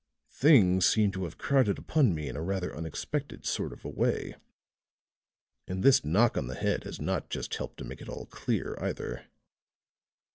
"Things seem to have crowded upon me in a rather unexpected sort of a way. And this knock on the head has not just helped to make it all clear, either."